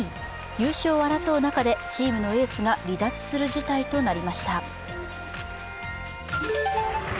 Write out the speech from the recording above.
優勝を争う中でチームのエースが離脱する事態となりました。